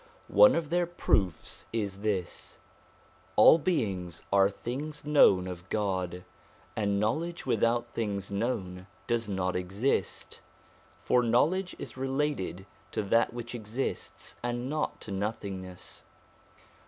One of their proofs is this: all beings are things known of God ; and knowledge without things known does not exist, for knowledge is related to that which exists, and not to nothingness.